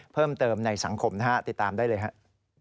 เพิ่มเติมในสังคมนะฮะติดตามได้เลยครับ